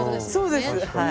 そうです。